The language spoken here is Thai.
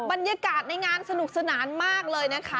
บรรยากาศในงานสนุกสนานมากเลยนะคะ